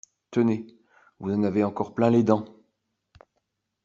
Tenez ! vous en avez encore plein les dents.